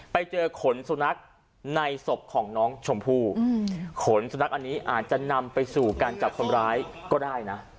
ไปเจอขนสุนัขในศพของน้องชมพู่ขนสุนัขอันนี้อาจจะนำไปสู่การจับคนร้ายก็ได้นะ